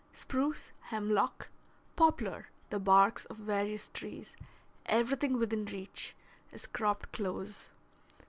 Spruce, hemlock, poplar, the barks of various trees, everything within reach, is cropped close.